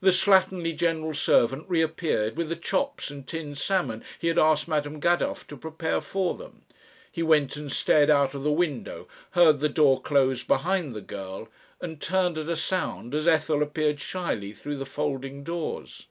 The slatternly general servant reappeared with the chops and tinned salmon he had asked Madam Gadow to prepare for them. He went and stared out of the window, heard the door close behind the girl, and turned at a sound as Ethel appeared shyly through the folding doors.